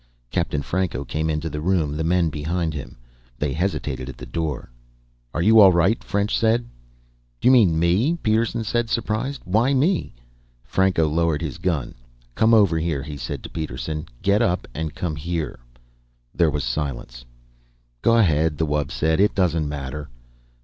Captain Franco came into the room, the men behind him. They hesitated at the door. "Are you all right?" French said. "Do you mean me?" Peterson said, surprised. "Why me?" Franco lowered his gun. "Come over here," he said to Peterson. "Get up and come here." There was silence. "Go ahead," the wub said. "It doesn't matter."